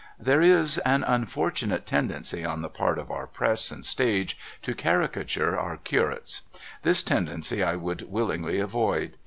There is an unfortunate tendency on the part of our Press and stage to caricature our curates; this tendency I would willingly avoid.